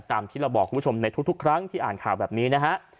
ตามที่เราบอกคุณผู้ชมในทุกครั้งที่อ่านข่าวแบบนี้นะฮะ